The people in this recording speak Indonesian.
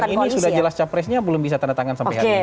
ini sudah jelas capresnya belum bisa tanda tangan sampai hari ini